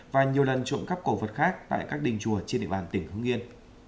và nhiều lần trộm cắp cổ vật khác tại các đình chùa trên địa bàn tỉnh hưng yên